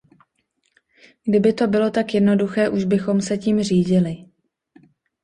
Kdyby to bylo tak jednoduché, už bychom se tím řídili.